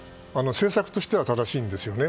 政策としては正しいんですよね。